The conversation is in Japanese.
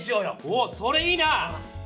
おっそれいいな！